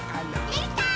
できたー！